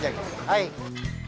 はい。